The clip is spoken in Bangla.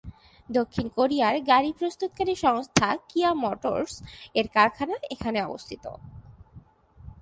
দক্ষিণ কোরিয়ার গাড়ি প্রস্তুতকারী সংস্থা কিয়া মোটরস এর কারখানা এখানে অবস্থিত।